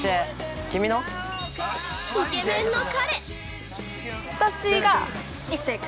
イケメンの彼。